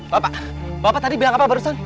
bapak bapak tadi bilang apa barusan